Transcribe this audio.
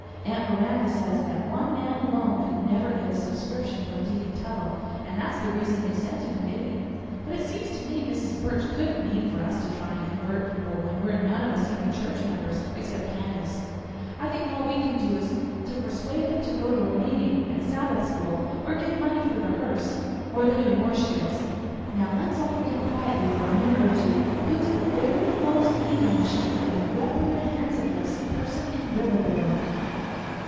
Aunt Miranda says that one man alone could never get a subscription from Deacon Tuttle, and that's the reason they sent a committee. But it seems to me Mrs. Burch couldn't mean for us to try and convert people when we're none of us even church members, except Candace. I think all we can do is to persuade them to go to meeting and Sabbath school, or give money for the hearse, or the new horse sheds. Now let's all think quietly for a minute or two who's the very most heathenish and reperrehensiblest person in Riverboro."